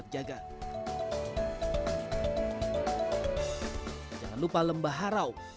jangan lupa lembah harau